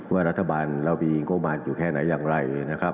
ว่รัฐบาลรับที่มีกรุงการอยู่แค่ไหนอย่างไร